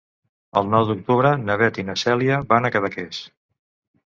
El nou d'octubre na Beth i na Cèlia van a Cadaqués.